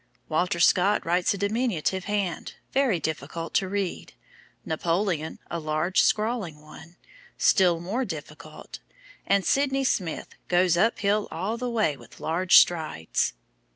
Walter Scott writes a diminutive hand, very difficult to read, Napoleon a large scrawling one, still more difficult, and Sydney Smith goes up hill all the way with large strides."